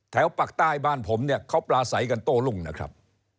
ปากใต้บ้านผมเนี่ยเขาปลาใสกันโต้รุ่งนะครับ